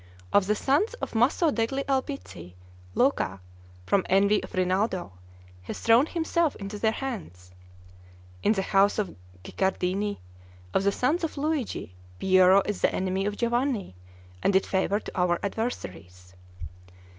Of the sons of Maso degli Albizzi, Luca, from envy of Rinaldo, has thrown himself into their hands. In the house of Guicciardini, of the sons of Luigi, Piero is the enemy of Giovanni and in favor of our adversaries.